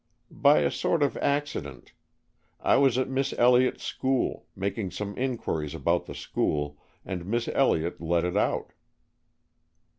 "By a sort of accident. I was at Miss Elliott's School, making some inquiries about the school, and Miss Elliott let it out."